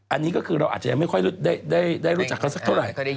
อันนี้ก็คือเราอาจจะยังไม่ค่อยได้รู้จักเขาสักเท่าไหร่